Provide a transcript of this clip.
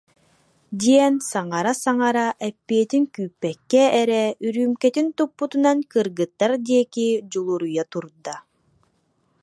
диэн саҥара-саҥара, эппиэтин күүппэккэ эрэ, үрүүмкэтин туппутунан кыргыттар диэки дьулуруйа турда